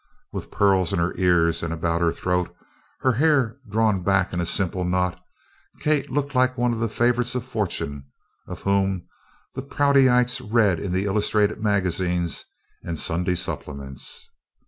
With pearls in her ears and about her throat, her hair drawn back in a simple knot, Kate looked like one of the favorites of fortune of whom the Proutyites read in the illustrated magazines and Sunday supplements.